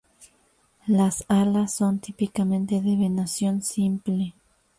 Las alas son típicamente de venación simple.